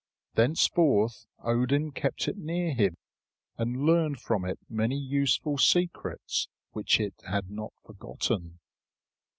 Thenceforth Odin kept it near him, and learned from it many useful secrets which it had not forgotten.